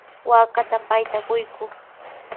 Waakata payta quykuu.